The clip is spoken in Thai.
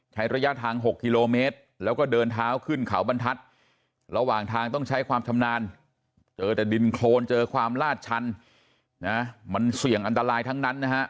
ระยะทาง๖กิโลเมตรแล้วก็เดินเท้าขึ้นเขาบรรทัศน์ระหว่างทางต้องใช้ความชำนาญเจอแต่ดินโครนเจอความลาดชันนะมันเสี่ยงอันตรายทั้งนั้นนะฮะ